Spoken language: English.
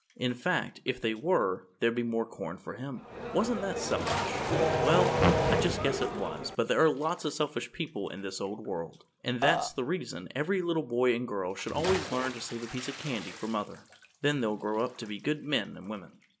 In fact, if they were, there'd be more corn for him. Wasn't that selfish? Well, I just guess it was, but there are lots of selfish people in this old world, and that's the reason every little boy and girl should learn to always save a piece of candy for mother. Then they'll grow up to be good men and women.